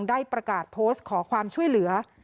ได้ประกาศโพสต์ขอความช่วยเหลือ